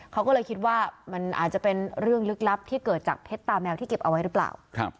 เขาก็เลยคิดว่ามันอาจจะเป็นเรื่องลึกลับที่เกิดจากเพชรตาแมวที่เก็บเอาไว้หรือเปล่า